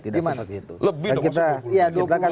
lebih dong maksudnya dua puluh